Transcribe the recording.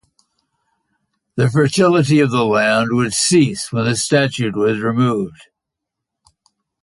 The fertility of the land would cease when the statue was removed.